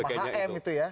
ada nama hm itu ya